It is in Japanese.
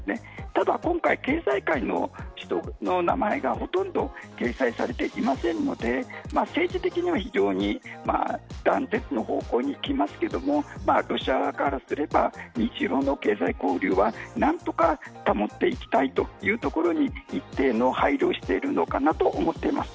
ただ今回経済界の人の名前がほとんど掲載されていませんので政治的には非常に断絶の方向にいきますけれどもロシアからすれば日露の経済交流は何とか保っていきたいというところに一定の配慮をしているのかなと思っています。